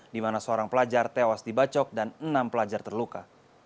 di mana seorang pelajar tewas dibacok dan enam pelajar terluka